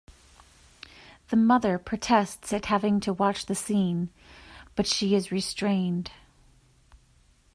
The Mother protests at having to watch the scene, but she is restrained.